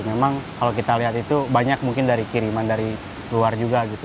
memang kalau kita lihat itu banyak mungkin dari kiriman dari luar juga gitu